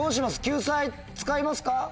救済使いますか？